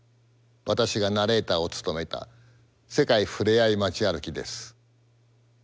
私がナレーターを務めた「世界ふれあい街歩き」です。